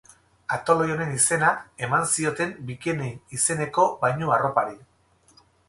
Atoloi honen izena eman zioten bikini izeneko bainu-arropari.